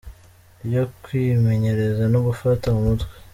yo kwimenyereza no gufata mu mutwe.